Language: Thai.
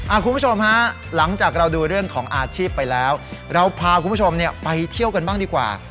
คุณผู้ชมฮะหลังจากเราดูเรื่องของอาชีพไปแล้วเราพาคุณผู้ชมเนี่ยไปเที่ยวกันบ้างดีกว่า